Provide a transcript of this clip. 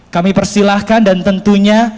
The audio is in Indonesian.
kami persilahkan dan tentunya